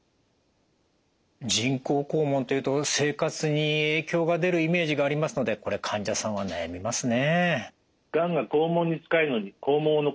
人工肛門っていうと生活に影響が出るイメージがありますのでこれ患者さんは悩みますね。